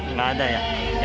enggak ada ya